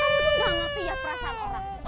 kamu tuh gak ngerti ya perasaan orang